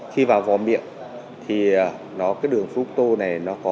khi vào vò miệng thì cái đường fructo này nó có